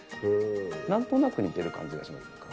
何となく似てる感じがしませんか？